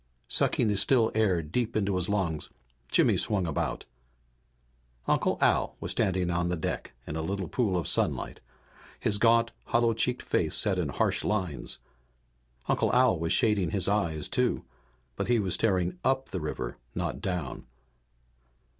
Sucking the still air deep into his lungs, Jimmy swung about. Uncle Al was standing on the deck in a little pool of sunlight, his gaunt, hollow cheeked face set in harsh lines. Uncle Al was shading his eyes too. But he was staring up the river, not down.